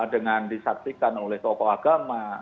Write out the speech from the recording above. dengan disaksikan oleh tokoh agama